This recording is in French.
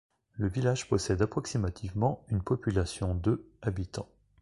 Le village possède approximativement une population de habitants.